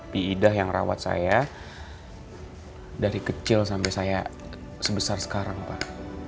pak idah yang rawat saya dari kecil sampai saya sebesar sekarang pak